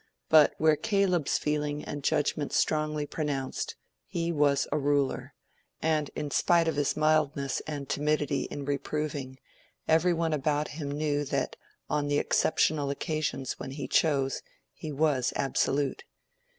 But where Caleb's feeling and judgment strongly pronounced, he was a ruler; and in spite of his mildness and timidity in reproving, every one about him knew that on the exceptional occasions when he chose, he was absolute.